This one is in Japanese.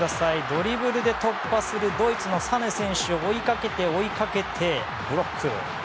ドリブルで突破するドイツのサネ選手を追いかけて追いかけてブロック！